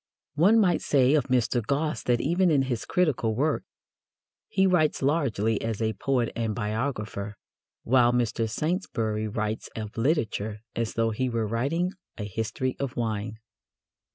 One might say of Mr. Gosse that even in his critical work he writes largely as a poet and biographer, while Mr. Saintsbury writes of literature as though he were writing a history of wine.